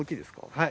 はい。